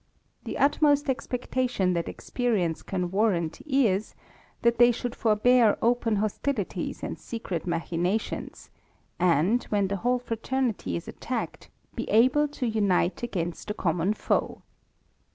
The utmost expectation that experience can warrant is, that they should forbear open hostilities and secret machinations, and, when the whole fraternity is attacked, be able to unite against a common foe.